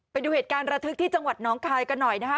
ไปดูเหตุการณ์ระทึกที่จังหวัดน้องคายกันหน่อยนะคะ